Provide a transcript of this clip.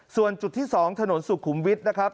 ส่วนจุดที่๒ถนนสุขุมวิทย์นะครับ